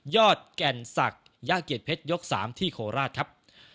ยอดแก่นสักย่าเกียจเพชรยก๓ที่โคราชครับ